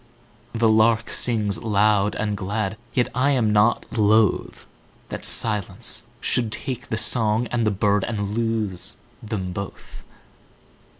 The lark sings loud and glad, Yet I am not lothThat silence should take the song and the birdAnd lose them both.